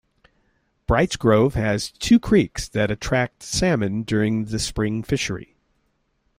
Brights Grove has two creeks that attract salmon during the spring fishery.